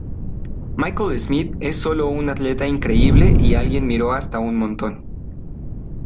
Michael Smith es sólo un atleta increíble y alguien miro hasta un montón.